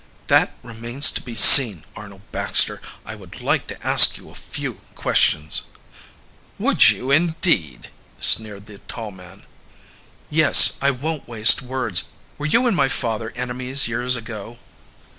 "That remains to be seen, Arnold Baxter. I would like to ask you a few questions." "Would you, indeed?" sneered the tall man. "Yes. I won't waste words. Were you and my father enemies years ago?"